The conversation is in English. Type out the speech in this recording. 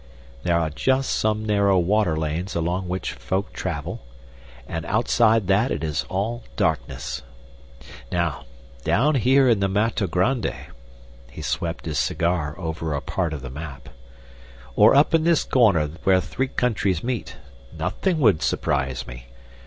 There are just some narrow water lanes along which folk travel, and outside that it is all darkness. Now, down here in the Matto Grande" he swept his cigar over a part of the map "or up in this corner where three countries meet, nothin' would surprise me.